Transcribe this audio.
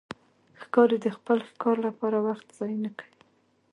ښکاري د خپل ښکار لپاره وخت ضایع نه کوي.